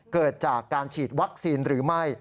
เกิดจากการฉีดวัคซีนหรือไม่